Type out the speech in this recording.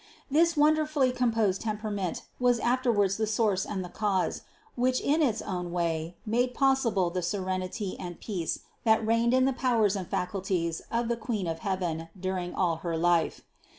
This wonderfully composed temperament was afterwards the source and the cause, which in its own way made possible the seren ity and peace that reigned in the powers and faculties of the Queen of heaven during all her life.